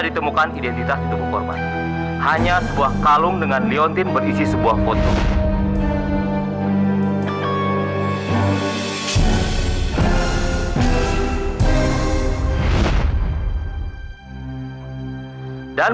ditemukan identitas untuk korban hanya sebuah kalung dengan liontin berisi sebuah foto dan